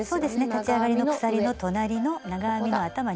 立ち上がりの鎖の隣の長編みの頭２本。